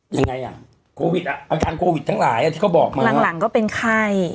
ยังไงอ่ะโควิดอ่ะอาการโควิดทั้งหลายอ่ะที่เขาบอกมาหลังหลังก็เป็นไข้